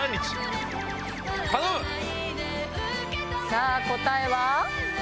さぁ答えは？